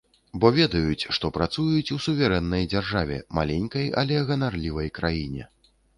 Бо ведаюць, што працуюць у суверэннай дзяржаве, маленькай але ганарлівай краіне!